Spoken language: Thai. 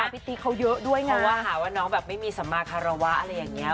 พี่ติ๊กเขาเยอะด้วยน่ะเพราะว่าหาว่าน้องแบบไม่มีสมาฆารวะอะไรอย่างเงี้ย